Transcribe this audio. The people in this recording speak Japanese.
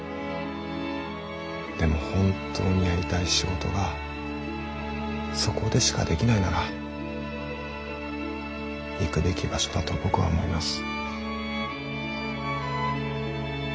でも本当にやりたい仕事がそこでしかできないなら行くべき場所だと僕は思います。